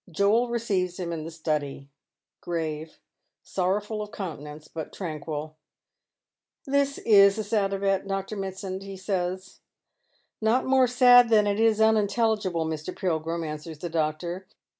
Joel receives him in the study, gi'ave, sorrowful of countenance, but tranquil. " This is a sad event, Dr. Mitsand," he says. " Not more sad than it is unintelligible, Mr. Pilgrim," answerg the doctor.